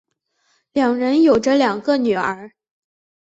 两人有着两个女儿。